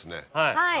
はい。